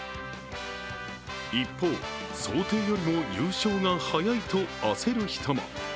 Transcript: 一方、想定よりも優勝が早いと焦る人も。